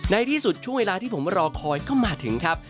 ในที่สุดช่วงเวลาที่ผมรอคอยก็มาถึงครับ